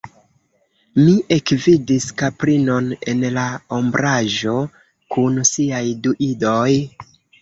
Mi ekvidis kaprinon en la ombraĵo kun siaj du idoj.